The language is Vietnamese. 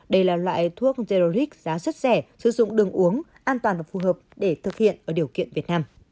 đây là loại thuốc zeroric giá rất rẻ sử dụng đường uống an toàn và phù hợp để thực hiện ở điều kiện việt nam